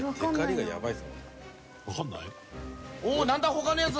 わかんない？